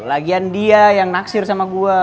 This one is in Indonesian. lagian dia yang naksir sama gue